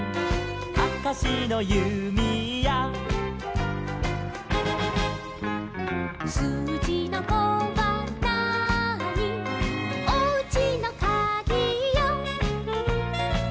「かかしのゆみや」「すうじの５はなーに」「おうちのかぎよ」